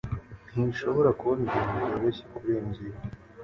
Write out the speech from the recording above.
Ntishobora kubona ibintu byoroshye kurenza ibi